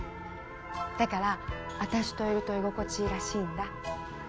だから私といると居心地いいらしいんだ。